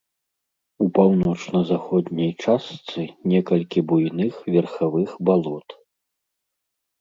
У паўночна-заходняй частцы некалькі буйных верхавых балот.